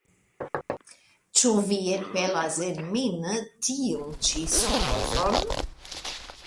ĉu vi enpelas en min tiun ĉi supozon?